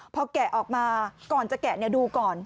พอแกะออกมาก่อนจะแกะดูก่อน